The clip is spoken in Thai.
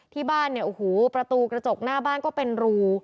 ที่บ้านเนี่ยโอ้โหประตูกระจกหน้าบ้านก็เป็นรู